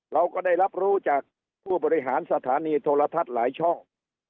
เราก็ได้รับรู้จากผู้บริหารสถานีโทรทัศน์หลายช่อง